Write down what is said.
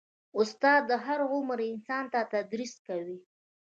استاد د هر عمر انسان ته تدریس کوي.